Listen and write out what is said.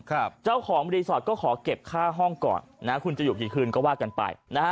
เจ้าของรีสอร์ทก็ขอเก็บค่าห้องก่อนนะคุณจะอยู่กี่คืนก็ว่ากันไปนะฮะ